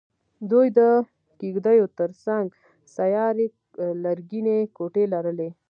دوی د کېږدیو تر څنګ سیارې لرګینې کوټې لرلې.